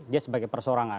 dia sebagai persorangan